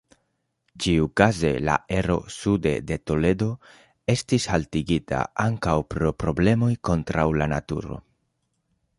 Ĉiukaze la ero sude de Toledo estis haltigita ankaŭ pro problemoj kontraŭ la naturo.